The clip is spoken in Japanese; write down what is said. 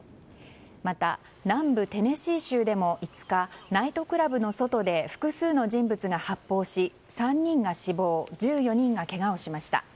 また、南部テネシー州でも５日ナイトクラブの外で複数の人物が発砲し３人が死亡１４人がけがをしました。